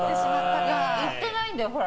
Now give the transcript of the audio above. いってないんだよ、ほら。